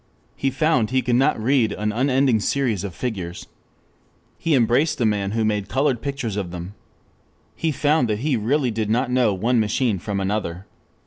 He found he could not read an unending series of figures. He embraced the man who made colored pictures of them. He found that he really did not know one machine from another.